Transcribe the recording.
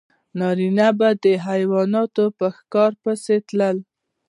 نارینه به د حیواناتو په ښکار پسې تلل.